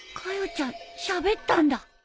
ちゃんしゃべったんだ！